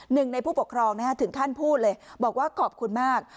หนึ่งในผู้ปกครองถึงขั้นพูดเลยบอกว่าขอบคุณมาก